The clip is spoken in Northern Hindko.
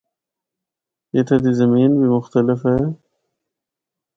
اِتھا دی زمین بھی مختلف ہے۔